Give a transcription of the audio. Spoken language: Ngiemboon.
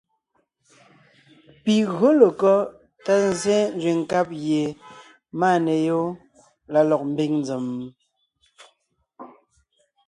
Pi gÿǒ lekɔ́ tá nzsé nzẅìŋ nkáb gie máneyoon la lɔg mbiŋ nzèm?